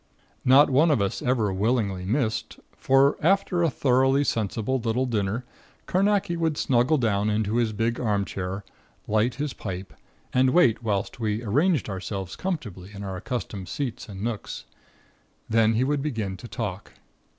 Not one of us ever willingly missed, for after a thoroughly sensible little dinner Carnacki would snuggle down into his big armchair, light his pipe, and wait whilst we arranged ourselves comfortably in our accustomed seats and nooks. Then he would begin to talk.